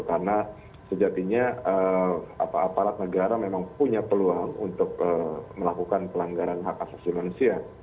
karena sejatinya aparat negara memang punya peluang untuk melakukan pelanggaran hak asasi manusia